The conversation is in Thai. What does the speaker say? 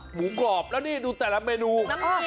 หมูกรอบแล้วนี่ดูแต่ละเมนู